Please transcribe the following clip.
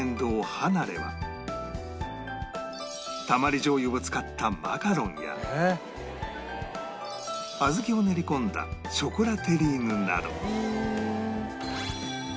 ＨＡＮＡＲＥ はたまり醤油を使ったマカロンや小豆を練り込んだショコラテリーヌなど